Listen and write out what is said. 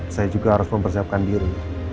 saya juga harus mempersiapkan diri